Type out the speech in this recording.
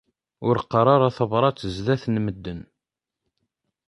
Ur qqar ara tabrat zdat n medden.